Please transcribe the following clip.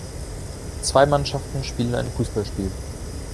Zwei Mannschaften spielen ein Fußballspiel.